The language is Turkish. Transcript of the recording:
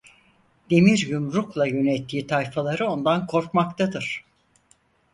Demir yumrukla yönettiği tayfaları ondan korkmaktadır.